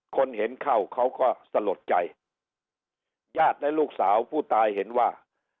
คนเห็นเข้าเขาก็สลดใจญาติและลูกสาวผู้ตายเห็นว่า